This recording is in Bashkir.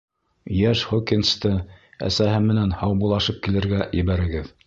Йәш Хокинсты әсәһе менән һаубуллашып килергә ебәрегеҙ.